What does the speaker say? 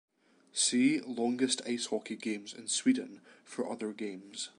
See Longest ice hockey games in Sweden for other games.